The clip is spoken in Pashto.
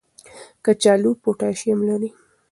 کچالو پوټاشیم لري.